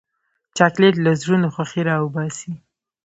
چاکلېټ له زړونو خوښي راوباسي.